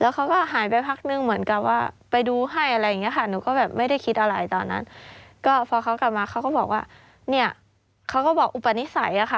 เขาก็หายไปพักนึงเหมือนกับว่าไปดูให้อะไรอย่างเงี้ค่ะหนูก็แบบไม่ได้คิดอะไรตอนนั้นก็พอเขากลับมาเขาก็บอกว่าเนี่ยเขาก็บอกอุปนิสัยอะค่ะ